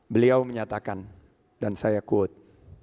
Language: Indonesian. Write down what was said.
beliau menyatakan dan saya quote